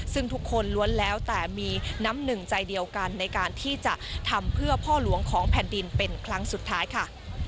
ซึ่งทุกคนล้วนแล้วแต่มีน้ำหนึ่งใจเดียวกันในการที่จะทำเพื่อพ่อหลวงของแผ่นดินเป็นครั้งสุดท้ายค่ะ